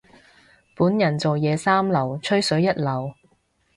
本人做嘢三流，吹水一流。